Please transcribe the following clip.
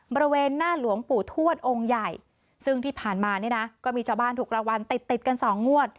บริเวณหน้าหลวงปู่ทวดองค์ใหญ่ซึ่งที่ผ่านมาเนี่ยนะก็มีชาวบ้านถูกรางวัลติดติดกันสองงวด